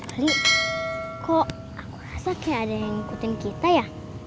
ali kok aku rasa kayak ada yang ngikutin kita ya